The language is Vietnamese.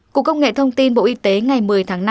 cục công nghệ thông tin bộ y tế ngày một mươi tháng năm